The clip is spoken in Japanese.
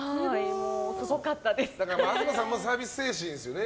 東さんもサービス精神ですよね。